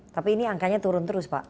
tapi ini angkanya turun terus pak